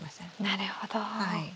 なるほど。